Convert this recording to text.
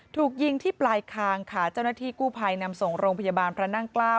ถูกยิงที่ปลายคางค่ะเจ้าหน้าที่กู้ภัยนำส่งโรงพยาบาลพระนั่งเกล้า